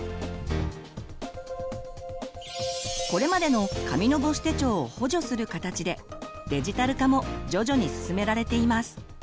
これまでの紙の母子手帳を補助する形でデジタル化も徐々に進められています。